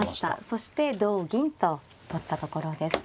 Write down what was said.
そして同銀と取ったところです。